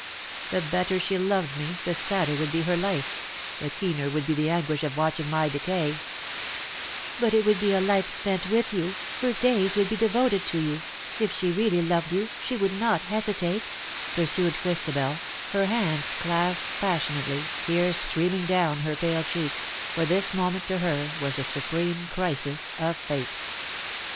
The better she loved me, the sadder would be her life — the keener would be the anguish of watching my decay V' " But it would be a life spent with you, her days would be devoted to you ; if she really loved you, she would not hesitate," pursued Christabel, her 124 ^'love! thou art leading me hands clasped passionately, tears streaming down her pale cheeks, for this moment to her was the supreme crisis of fate.